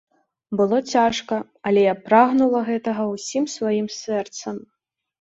Было цяжка, але я прагнула гэтага ўсім сваім сэрцам.